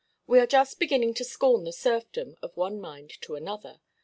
We are just beginning to scorn the serfdom of one mind to another.